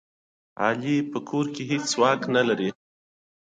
علي په کور کې د پسکې واک هم نه لري.